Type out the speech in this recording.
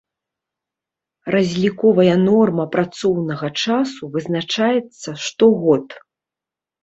Разліковая норма працоўнага часу вызначаецца штогод.